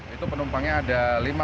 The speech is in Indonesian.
itu penumpangnya ada lima